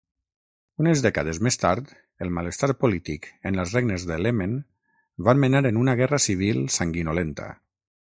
Unes dècades més tard, el malestar polític en els regnes d'Elemen van menar en una guerra civil sanguinolenta.